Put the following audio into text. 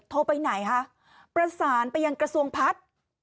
โทรไปไหนคะประสานไปยังกระทรวงพัฒน์